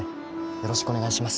よろしくお願いします。